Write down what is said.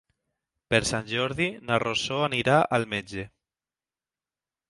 Per Sant Jordi na Rosó anirà al metge.